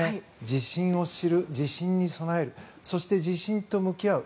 地震を知る、地震に備えるそして、地震と向き合う